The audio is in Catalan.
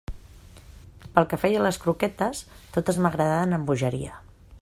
Pel que feia a les croquetes, totes m'agradaven amb bogeria.